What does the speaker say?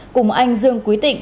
cùng anh dương quý tịnh